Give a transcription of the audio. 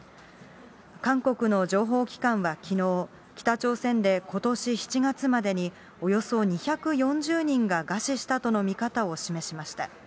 韓国の情報機関はきのう、北朝鮮でことし７月までにおよそ２４０人が餓死したとの見方を示しました。